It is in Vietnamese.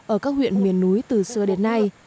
ở các huyện miền núi từ xưa đến nay